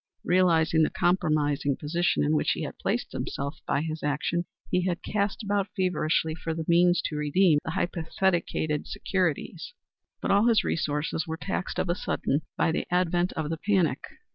Realizing the compromising position in which he had placed himself by his action, he had cast about feverishly for the means to redeem the hypothecated securities, but all his resources were taxed of a sudden by the advent of the panic.